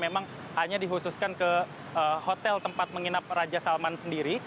memang hanya dihususkan ke hotel tempat menginap raja salman sendiri